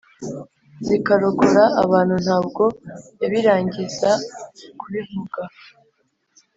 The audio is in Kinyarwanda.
zikarokora abantu ntabwo yabirangizakubivuga